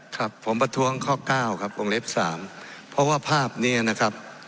ครับผมประท้วงข้อเก้าครับวงเล็บสามเพราะว่าภาพเนี้ยนะครับ